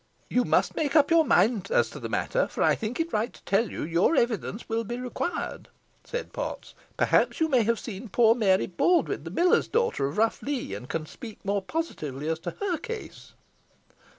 "You must make up your mind as to the matter, for I think it right to tell you your evidence will be required," said Potts. "Perhaps, you may have seen poor Mary Baldwyn, the miller's daughter of Rough Lee, and can speak more positively as to her case."